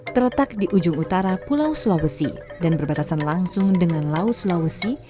terletak di ujung utara pulau sulawesi dan berbatasan langsung dengan laut sulawesi